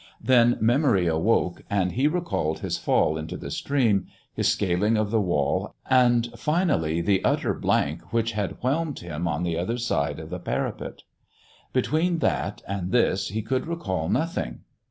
Then memory awoke, and he recalled his fall into the stream, his scaling of the wall, and finally the utter blank which had whelmed him on the other side of the parapet. Between that and this ho could recall nothing.